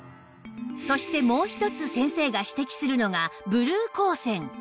そしてもう一つ先生が指摘するのがブルー光線